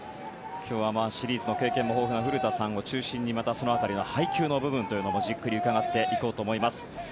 今日はシリーズの経験も豊富な古田さんを中心にまたその辺りの配球の部分もじっくり伺っていこうと思います。